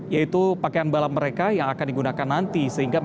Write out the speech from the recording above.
yaitu pakaian balap mereka yang akan digunakan nanti